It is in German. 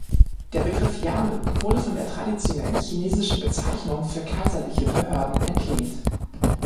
Der Begriff Yamen wurde von der traditionellen chinesischen Bezeichnung für kaiserliche Behörden entlehnt.